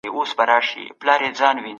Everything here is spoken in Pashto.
مرګ د ژوند یو حقیقت دی.